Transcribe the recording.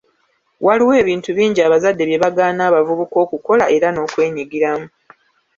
Waliwo ebintu bingi abazadde bye bagaana abavubuka okukola era nokwenyigiramu.